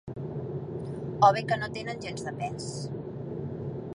O bé que no tenen gens de pes.